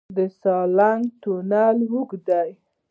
د سالنګ تونل اوږد دی